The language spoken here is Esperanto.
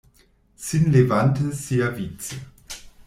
Sin levante siavice: